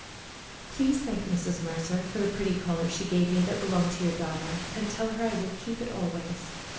Please thank Mrs. Mercer for the pretty collar she gave me that belonged to your daughter, and tell her I will keep it always.